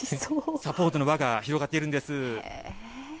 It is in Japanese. サポートの輪が広がっているんです。